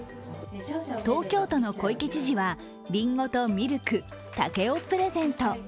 東京都の小池知事はりんごとミルク、竹をプレゼント。